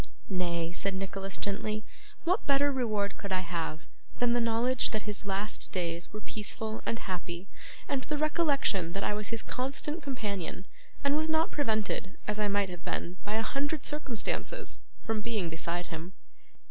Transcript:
'Nay,' said Nicholas gently, 'what better reward could I have, than the knowledge that his last days were peaceful and happy, and the recollection that I was his constant companion, and was not prevented, as I might have been by a hundred circumstances, from being beside him?